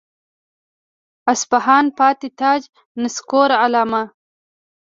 اصفهان پاتې تاج نسکور عالمه.